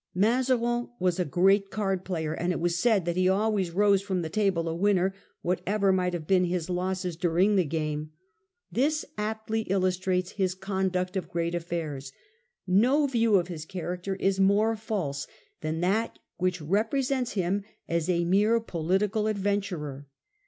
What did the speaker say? Mazarin was a great card player, and it was said that he always rose from the table a winner, whatever might have been his losses during the game. This aptly illustrates hif conduct 6o The New Fronde . 1651. of great affairs. No view of his character is more false than that which represents him as a mere political adven turer!